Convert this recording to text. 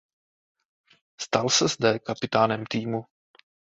Stal se zde kapitánem týmu.